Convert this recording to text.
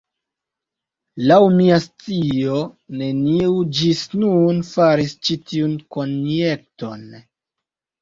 Laŭ mia scio, neniu ĝis nun faris ĉi tiun konjekton.